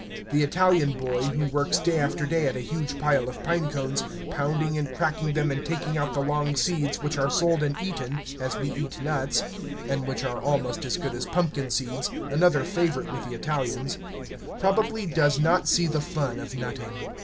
The Italian boy, who works day after day at a huge pile of pine cones, pounding and cracking them and taking out the long seeds, which are sold and eaten as we eat nuts (and which are almost as good as pumpkin seeds, another favorite with the Italians), probably does not see the fun of nutting.